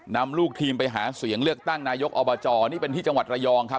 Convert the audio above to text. นำลูกทีมไปหาเสียงเลือกตั้งนายกอบจนี่เป็นที่จังหวัดระยองครับ